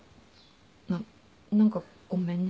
なっ何かごめんね。